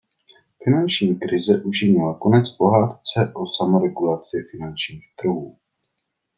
Finanční krize učinila konec pohádce o samoregulaci finančních trhů.